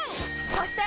そして！